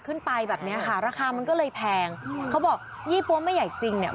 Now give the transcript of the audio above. ไปแบบเนี้ยค่ะราคามันก็เลยแพงเขาบอกยี่ปั๊วไม่ใหญ่จริงเนี่ย